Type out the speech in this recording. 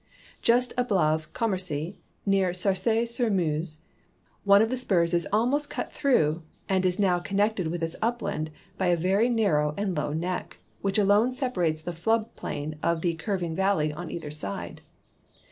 Just above Com mercy, near Sarcy sur Meuse, one of the spurs is almost cut through and is now connected with its upland l>y a very narrow and low neck, which alone separates the Hood plain of the curv ing valley on either side.